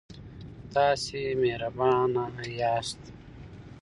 تاسې مهربانه یاست.